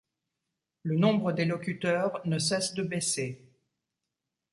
Le nombre des locuteurs ne cesse de baisser.